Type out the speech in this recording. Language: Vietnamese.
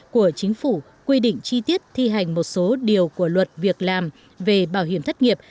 của chính phủ quy định chi tiết thi hành một số điều của luật việc làm về bảo hiểm thất nghiệp